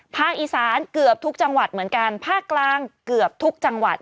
อีสานเกือบทุกจังหวัดเหมือนกันภาคกลางเกือบทุกจังหวัด